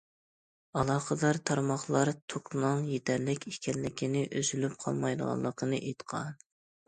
ئالاقىدار تارماقلار توكنىڭ يېتەرلىك ئىكەنلىكىنى، ئۈزۈلۈپ قالمايدىغانلىقىنى ئېيتقان.